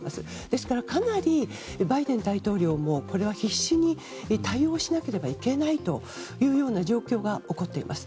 ですからかなりバイデン大統領もこれは必死に対応しなければいけないというような状況が起こっています。